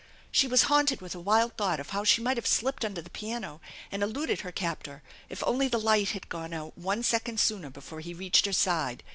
She was haunted with a wild thought of how she might have slipped under the piano and eluded her captor if only the light had gone out one second sooner before he reached her side.